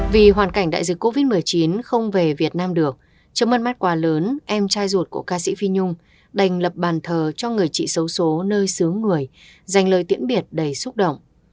vì hoàn cảnh đại dịch covid một mươi chín không về việt nam được chống mất mát quá lớn em trai ruột của ca sĩ phi nhung đành lập bàn thờ cho người chị xấu xố nơi xứ người dành lời tiễn biệt đầy xúc động